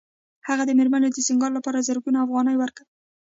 هغه د مېرمنې د سینګار لپاره زرګونه افغانۍ ورکوي